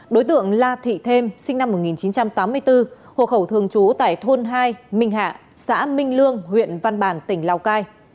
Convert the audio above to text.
đối tượng la thị thêm sinh năm một nghìn chín trăm tám mươi bốn hộ khẩu thường trú tại thôn hai minh hạ xã minh lương huyện văn bàn tỉnh lào cai